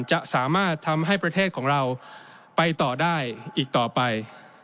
จะสามารถทำให้ประเทศของเราไปต่อได้อีกต่อไป